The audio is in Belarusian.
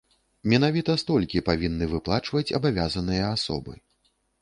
Менавіта столькі павінны выплачваць абавязаныя асобы.